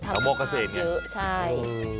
พระโบ๊คเศษเยอะใช่